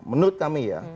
menurut kami ya